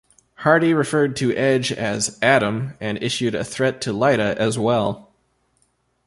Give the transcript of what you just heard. Hardy referred to Edge as "Adam" and issued a threat to Lita as well.